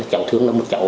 cháu thương là một cháu